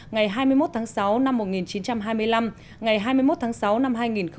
ngày hai mươi một tháng sáu năm một nghìn chín trăm hai mươi năm ngày hai mươi một tháng sáu năm hai nghìn một mươi chín